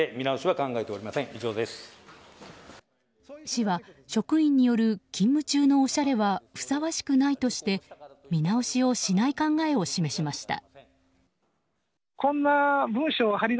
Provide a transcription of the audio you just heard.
市は職員による勤務中のおしゃれはふさわしくないとして見直しをしない考えを示しました。